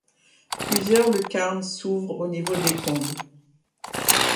Plusieurs lucarnes s'ouvrent au niveau des combles.